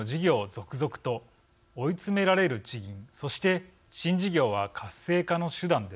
続々と追い詰められる地銀そして新事業は活性化の「手段」です。